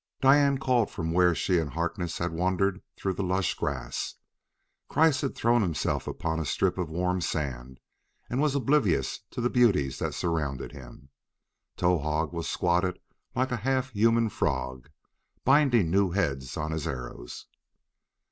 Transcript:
Diane called from where she and Harkness had wandered through the lush grass. Kreiss had thrown himself upon a strip of warm sand and was oblivious to the beauties that surrounded him. Towahg was squatted like a half human frog, binding new heads on his arrows.